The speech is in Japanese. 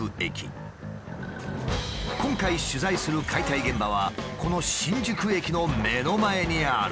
今回取材する解体現場はこの新宿駅の目の前にある。